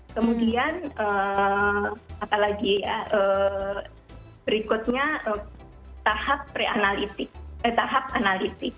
kemudian apalagi berikutnya tahap analitik